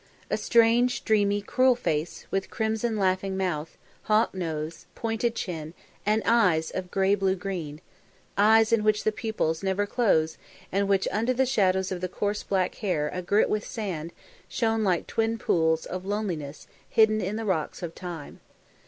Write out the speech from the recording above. A strange, dreamy, cruel face, with crimson laughing mouth, hawk nose, pointed chin, and eyes of grey blue green: eyes in which the pupils never close and which under the shadow of the coarse black hair a grit with sand shone like twin pools of loneliness hidden in the rocks of Time.